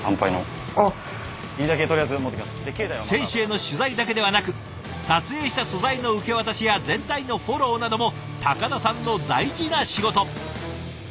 選手への取材だけではなく撮影した素材の受け渡しや全体のフォローなども高田さんの大事な仕事。